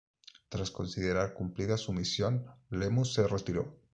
Tras considerar cumplida su misión Lemus se retiró.